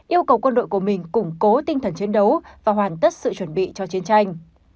yêu cầu quân đội của mình củng cố tinh thần chiến đấu và hoàn tất sự chuẩn bị cho chiến tranh